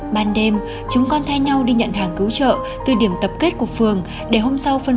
ban đêm chúng con thay nhau đi nhận hàng cứu trợ từ điểm tập kết của phường để hôm sau phân